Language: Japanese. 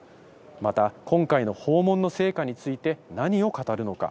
また、今回の訪問の成果について何を語るのか。